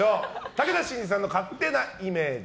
武田真治さんの勝手なイメージ。